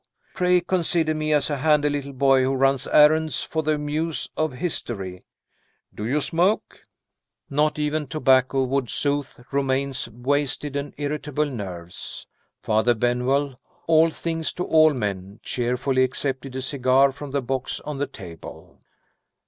Pray consider me as a handy little boy who runs on errands for the Muse of History. Do you smoke?" Not even tobacco would soothe Romayne's wasted and irritable nerves. Father Benwell "all things to all men" cheerfully accepted a cigar from the box on the table.